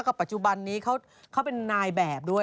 ปัจจุบันนี้เขาเป็นนายแบบด้วย